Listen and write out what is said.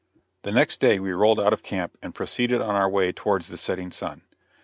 The next day we rolled out of camp, and proceeded on our way towards the setting sun.